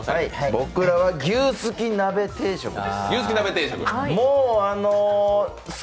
僕らは牛すき鍋定食です。